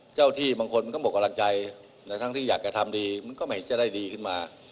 ที่บางคนมันก็หมดกำลังใจทั้งที่อยากจะทำดีมันก็ไม่จะได้ดีขึ้นมา